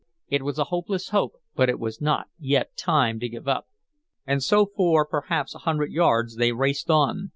It was a hopeless hope, but it was not yet time to give up. And so for perhaps a hundred yards they raced on.